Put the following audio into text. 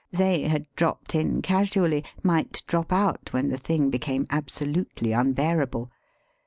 They had dropped in casually, might drop out when the thing became absolutely unbearable.